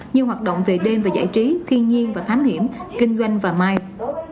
như hoạt động về đêm và giải trí thiên nhiên và thánh hiểm kinh doanh và mais